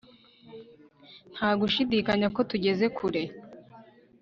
nta gushidikanya ko tugeze kure